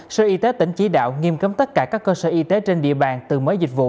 sở y tế tỉnh chỉ đạo nghiêm cấm tất cả các cơ sở y tế trên địa bàn từ mới dịch vụ